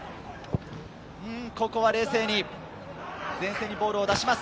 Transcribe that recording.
ここは冷静に前線にボールを出します。